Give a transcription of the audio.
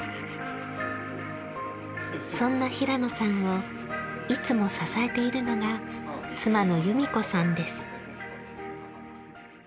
そんな平野さんをいつも支えているのが妻の由美子さんです。